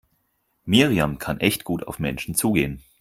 Miriam kann echt gut auf Menschen zugehen.